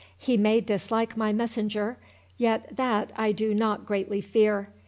He may dislike my messenger—yet that I do not greatly fear.